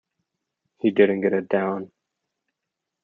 He didn't get a "down".